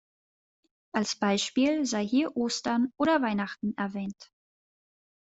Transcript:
Als Beispiel sei hier Ostern oder Weihnachten erwähnt.